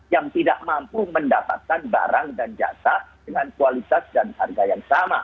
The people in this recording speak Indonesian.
yang tidak mampu mendapatkan barang dan jasa dengan kualitas dan harga yang sama